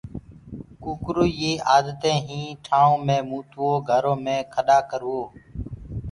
ڪوڪروئي يي آدتين هين ٺآئون مي متوو گھرو مي کڏآ ڪروو